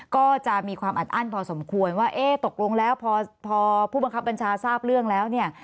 ก็จะมีความอัดอั้นพอสมควรว่าเอ๊ะตกลงแล้วพอผู้บังคับบัญชาทราบเรื่องแล้วเนี่ย